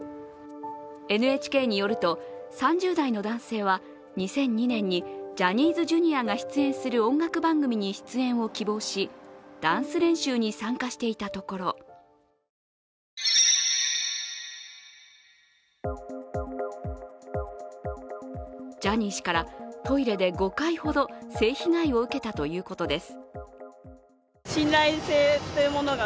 ＮＨＫによると、３０代の男性は２００２年にジャニーズＪｒ．が出演する音楽番組に出演を希望しダンス練習に参加していたところジャニー氏からトイレで５回ほど性被害を受けたということです。